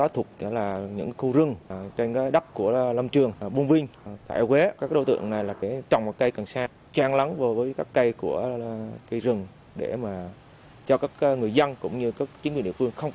thủ đoạn của các đối tượng như thế này là lợi dụng